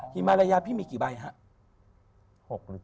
ฮิมาลายามีกี่ใบครับ